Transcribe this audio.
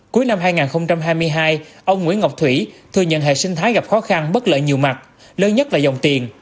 cuối năm hai nghìn hai mươi hai ông nguyễn ngọc thủy thừa nhận hệ sinh thái gặp khó khăn bất lợi nhiều mặt lớn nhất là dòng tiền